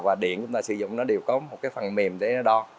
và điện chúng ta sử dụng nó đều có một cái phần mềm để nó đo